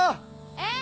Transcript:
え？